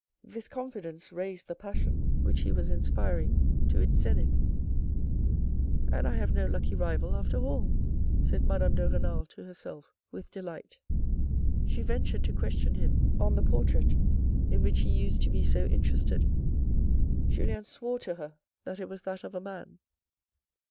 This confidence raised the passion which he was inspiring to its zenith. " And I have no lucky rival after all," said Madame de Renal to herself with delight. She ventured to question him on the portrait in which he used to be so interested. Julien swore to her that it was that of a man.